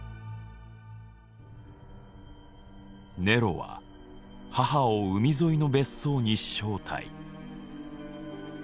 ネロは母を海沿いの別荘に招待。